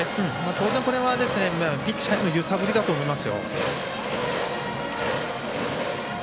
当然、これはピッチャーへの揺さぶりだと思います。